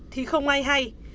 thì không ai hay